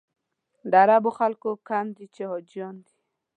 د عربو خلک کم دي چې حاجیان دي.